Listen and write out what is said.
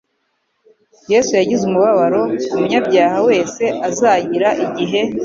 Yesu yagize umubabaro umunyabyaha wese azagira igihe